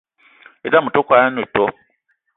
E'dam ote kwolo ene too